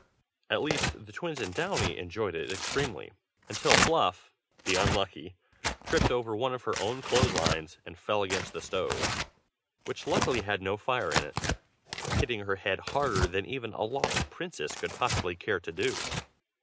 At least, the twins and Downy enjoyed it extremely, until Fluff, the unlucky, tripped over one of her own clothes lines, and fell against the stove (which, luckily, had no fire in it,) hitting her head harder than even a lost princess could possibly care to do.